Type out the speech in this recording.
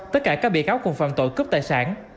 tất cả các bị cáo còn phạm tội cướp tài sản